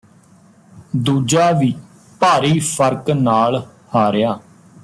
ਦੂਜਾ ਵੀ ਭਾਰੀ ਫ਼ਰਕ ਨਾਲ ਹਾਰਿਆ